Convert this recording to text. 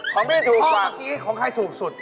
ของพี่ถูกพอร่ะพอเคยของพี่ดีของใครถูกสุด